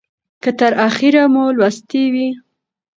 که تر اخیره مو لوستې وي